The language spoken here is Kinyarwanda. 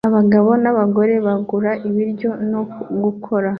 Abagabo n'abagore bagura ibiryo no gukora